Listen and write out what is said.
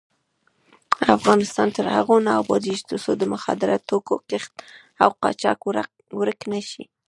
افغانستان تر هغو نه ابادیږي، ترڅو د مخدره توکو کښت او قاچاق ورک نشي.